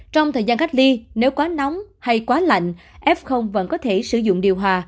trong thời gian cách ly nếu quá nóng hay quá lạnh f vẫn có thể sử dụng điều hòa